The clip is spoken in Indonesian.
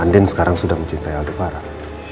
andin sekarang sudah mencintai aldo barang